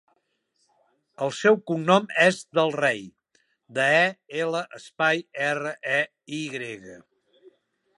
El seu cognom és Del Rey: de, e, ela, espai, erra, e, i grega.